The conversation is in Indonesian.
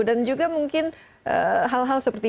dan juga mungkin hal hal seperti